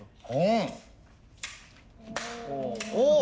お！